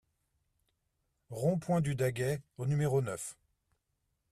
Rond-Point du Daguet au numéro neuf